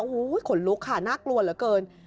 โอ้โหขนลุกค่ะน่ากลัวเหลือเกิน